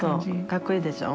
かっこいいでしょ？